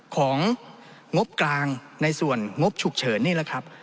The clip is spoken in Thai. งบกลางในส่วนงบฉุกเฉินนี่แหละครับ